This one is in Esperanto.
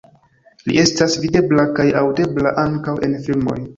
Li estas videbla kaj aŭdebla ankaŭ en filmoj.